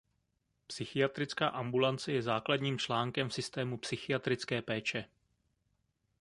Psychiatrická ambulance je základním článkem v systému psychiatrické péče.